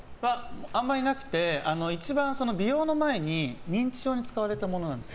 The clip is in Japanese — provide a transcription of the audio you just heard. あんまりなくて、美容の前に認知症に使われてるものなんです。